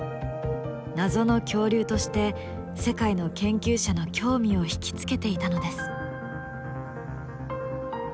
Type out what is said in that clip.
謎の恐竜として世界の研究者の興味を引き付けていたのです。